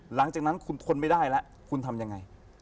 หลังจากนั้นคุณทนไม่ได้แล้วคุณทำยังไง